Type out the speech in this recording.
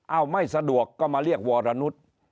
เอ้าไม่สะดวกก็มาเรียกวรรณุษย์